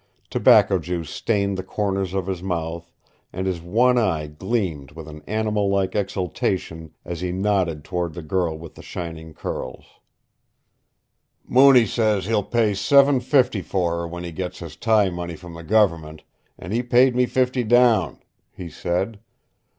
Tobacco juice stained the corners of his mouth, and his one eye gleamed with an animal like exultation as he nodded toward the girl with the shining curls "Mooney says he'll pay seven fifty for her when he gets his tie money from the Government, an' he paid me fifty down," he said.